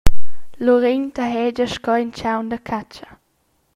Luregn tahegia sco in tgaun da catscha.